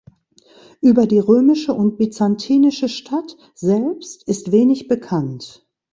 Über die römische und byzantinische Stadt selbst ist wenig bekannt.